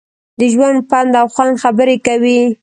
د ژوند، پند او خوند خبرې کوي.